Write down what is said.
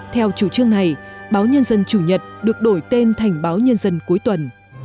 theo chủ trương này báo nhân dân chủ nhật được đổi tên thành báo nhân dân cuối tuần